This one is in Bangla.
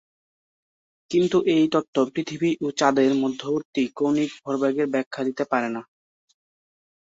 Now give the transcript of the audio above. কিন্তু এই তত্ত্ব পৃথিবী এবং চাঁদের মধ্যবর্তী কৌণিক ভরবেগের ব্যাখ্যা দিতে পারে না।